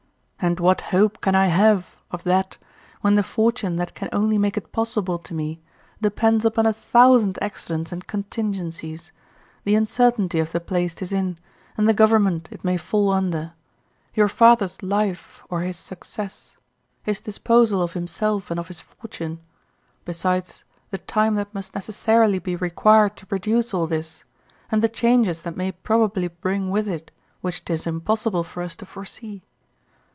And what hope can I have of that when the fortune that can only make it possible to me depends upon a thousand accidents and contingencies, the uncertainty of the place 'tis in, and the government it may fall under, your father's life or his success, his disposal of himself and of his fortune, besides the time that must necessarily be required to produce all this, and the changes that may probably bring with it, which 'tis impossible for us to foresee?